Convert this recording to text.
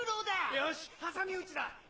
よし挟み撃ちだ！